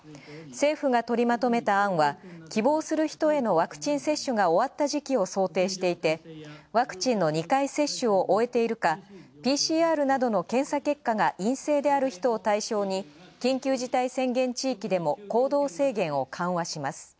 政府が取りまとめた案は、希望する人へのワクチン接種が終わった時期を想定していてワクチンの２回接種を終えているかＰＣＲ等の検査結果が陰性である人を対象に緊急事態宣言地域でも行動制限を緩和します。